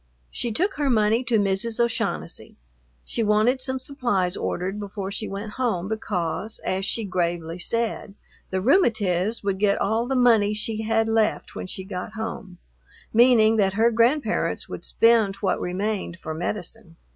She took her money to Mrs. O'Shaughnessy. She wanted some supplies ordered before she went home, because, as she gravely said, "the rheumatiz would get all the money she had left when she got home," meaning that her grandparents would spend what remained for medicine.